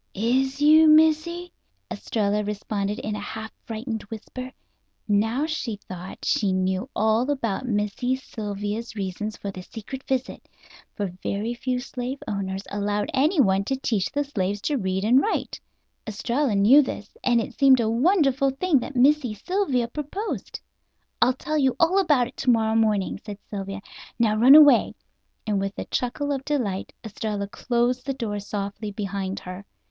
"Is you, Missy?" Estralla responded in a half frightened whisper. Now, she thought, she knew all about Missy Sylvia's reasons for the secret visit. For very few slave owners allowed anyone to teach the slaves to read and write. Estralla knew this, and it seemed a wonderful thing that Missy Sylvia proposed. "I'll tell you all about it to morrow morning," said Sylvia; "now run away," and with a chuckle of delight Estralla closed the door softly behind her.